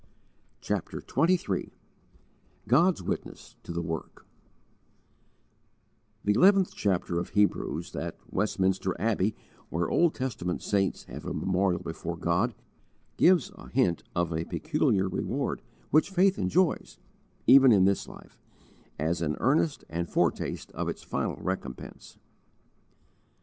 CHAPTER XXIII GOD'S WITNESS TO THE WORK THE eleventh chapter of Hebrews that "Westminster Abbey" where Old Testament saints have a memorial before God gives a hint of a peculiar reward which faith enjoys, even in this life, as an earnest and foretaste of its final recompense.